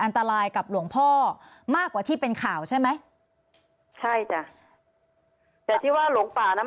อันตรายกับหลวงพ่อมากกว่าที่เป็นข่าวใช่ไหมใช่จ้ะแต่ที่ว่าหลงป่านั้น